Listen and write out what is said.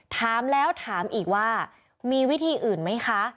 ถามแล้วถามอีกว่ามีวิธีอื่นไหมคะ